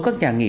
các nhà nghỉ